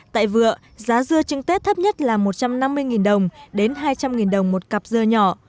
tại vựa giá dưa chứng tết thấp nhất là một trăm năm mươi đồng đến hai trăm linh đồng một cặp dưa nhỏ